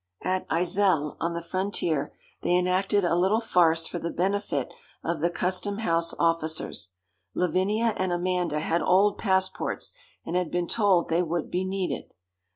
At Iselle, on the frontier, they enacted a little farce for the benefit of the custom house officers. Lavinia and Amanda had old passports, and had been told they would be needed.